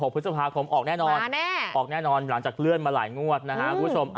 พฤษภาคมออกแน่นอนออกแน่นอนหลังจากเลื่อนมาหลายงวดนะฮะคุณผู้ชม